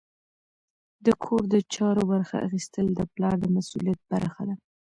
د کور د چارو برخه اخیستل د پلار د مسؤلیت برخه ده.